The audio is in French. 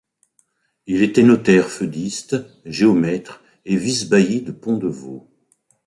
Il était notaire-feudiste, géomètre, et vice-bailli de Pont-de-Vaux.